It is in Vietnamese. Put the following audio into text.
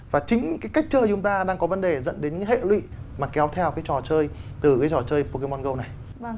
và chính cái cách chơi chúng ta đang có vấn đề dẫn đến những hệ lụy mà kéo theo cái trò chơi từ cái trò chơi pokemono này